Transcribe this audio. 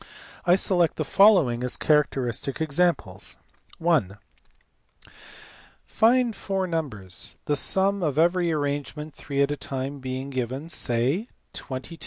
I select the following as characteristic examples. (i) Find four numbers, the sum of every arrangement three at a time being given; say, 22, 24, 27, and 20 (book I.